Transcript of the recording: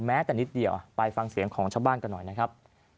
แม้แต่นิดเดียวไปฟังเสียงของชาวบ้านกันหน่อยนะครับ